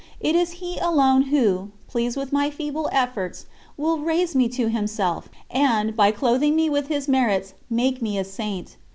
It is He alone Who, pleased with my feeble efforts, will raise me to Himself, and, by clothing me with His merits, make me a Saint.